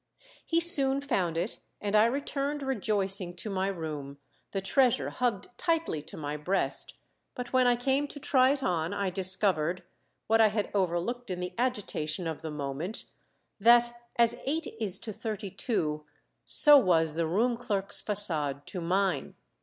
He soon found it, and I returned rejoicing to my room, the treasure hugged tightly to my breast; but when I came to try it on I discovered, what I had overlooked in the agitation of the moment, that as eight is to thirty two, so was the room clerk's façade to mine!